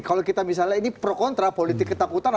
kalau kita misalnya ini pro kontra politik ketakutan